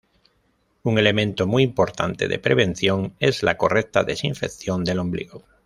Un elemento muy importante de prevención es la correcta desinfección del ombligo.